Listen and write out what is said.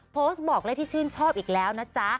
บอกเลขที่ชื่นชอบอีกแล้วนะจ๊ะ